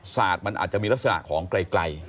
ศาสตร์มันอาจจะมีลักษณะของไกล